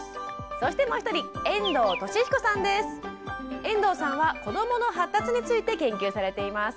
そしてもう一人遠藤さんは子どもの発達について研究されています。